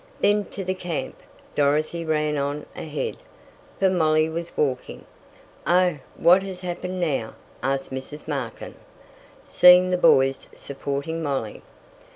Then to the camp! Dorothy ran on ahead, for Molly was walking. "Oh, what has happened now?" asked Mrs. Markin, seeing the boys supporting Molly.